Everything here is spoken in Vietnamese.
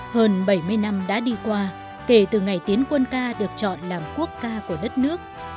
hơn bảy mươi năm đã đi qua kể từ ngày tiến quân ca được chọn làm quốc ca của đất nước